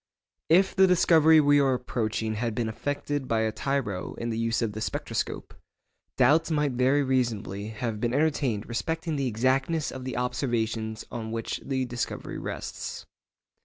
If the discovery we are approaching had been effected by a tyro in the use of the spectroscope, doubts might very reasonably have been entertained respecting the exactness of the observations on which the discovery rests.